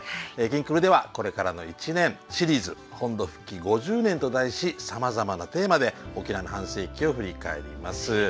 「きんくる」ではこれからの１年「シリーズ本土復帰５０年」と題しさまざまなテーマで沖縄の半世紀を振り返ります。